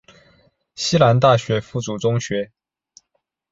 西南大学附属中学。